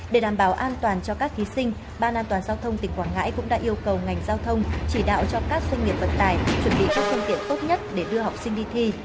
để đảm bảo an toàn cho các thí sinh ban an toàn giao thông tỉnh quảng ngãi cũng đã yêu cầu ngành giao thông chỉ đạo cho các doanh nghiệp vận tải chuẩn bị các phương tiện tốt nhất để đưa học sinh đi thi